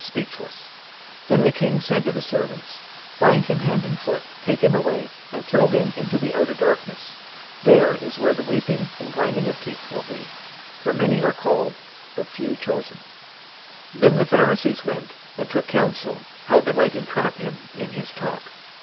022:013 Then the king said to the servants, 'Bind him hand and foot, take him away, and throw him into the outer darkness; there is where the weeping and grinding of teeth will be.' 022:014 For many are called, but few chosen." 022:015 Then the Pharisees went and took counsel how they might entrap him in his talk.